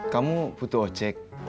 kamu butuh ojek